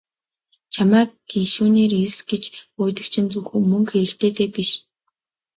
Чамайг гишүүнээр элс гэж гуйдаг чинь зөвхөн мөнгө хэрэгтэйдээ биш.